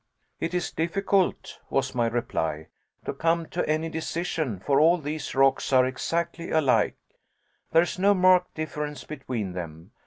"It is difficult," was my reply, "to come to any decision, for all these rocks are exactly alike. There is no marked difference between them.